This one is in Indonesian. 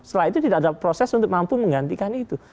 setelah itu tidak ada proses untuk mampu menggantikan itu